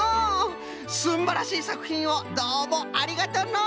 すんばらしいさくひんをどうもありがとうのう。